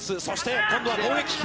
そして、今度は攻撃。